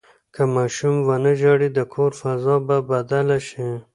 که ماشوم ونه ژاړي، د کور فضا به بدله شي.